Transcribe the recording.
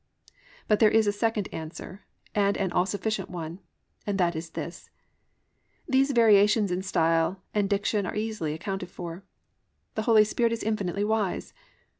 But there is a second answer, and an all sufficient one, and that is this: these variations in style and diction are easily accounted for. The Holy Spirit is infinitely wise.